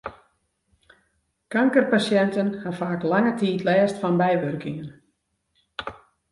Kankerpasjinten ha faak lange tiid lêst fan bywurkingen.